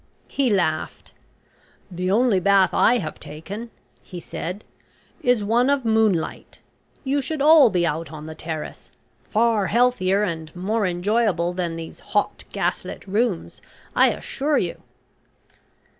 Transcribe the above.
He laughed. "The only bath I have taken," he said, "is one of moonlight. You should all be out on the terrace. Far healthier and more enjoyable than these hot, gas lit rooms, I assure you."